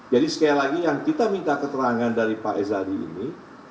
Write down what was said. jadi sekali lagi yang kita minta keterangan dari pak el sadi ini